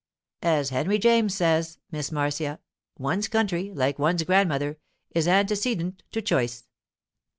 'As Henry James says, Miss Marcia, one's country, like one's grandmother, is antecedent to choice.